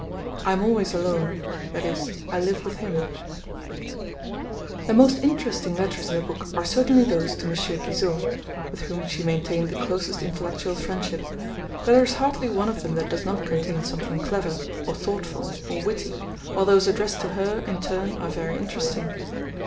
I am always alone that is, I live with him. The most interesting letters in the book are certainly those to M. Guizot, with whom she maintained the closest intellectual friendship; but there is hardly one of them that does not contain something clever, or thoughtful, or witty, while those addressed to her, in turn, are very interesting.